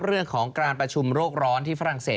เรื่องของการประชุมโรคร้อนที่ฝรั่งเศส